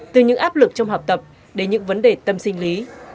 từ những áp lực trong học tập đến những vấn đề tâm sinh lý